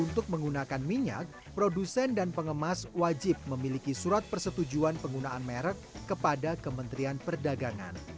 untuk menggunakan minyak produsen dan pengemas wajib memiliki surat persetujuan penggunaan merek kepada kementerian perdagangan